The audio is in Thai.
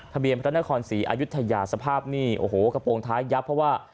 ทะเบียนพระนครศรีอายุทยาสภาพนี่โอ้โหกระโปรงท้ายยับเพราะว่า